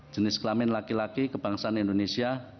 jenis kelamin laki laki kebangsaan indonesia